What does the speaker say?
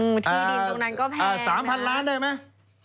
ที่ดินตรงนั้นก็แพงอ่า๓๐๐ล้านได้ไหม